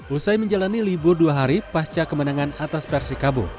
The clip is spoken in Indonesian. usai menjalani libur dua hari pasca kemenangan atas persikabo